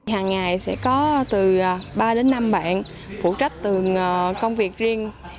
hàng ngày sẽ có từ ba đến năm bạn phụ trách từ công việc riêng